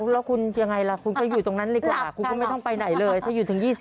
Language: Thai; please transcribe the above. แล้วคุณยังไงล่ะคุณก็อยู่ตรงนั้นดีกว่าคุณก็ไม่ต้องไปไหนเลยถ้าอยู่ถึง๒๐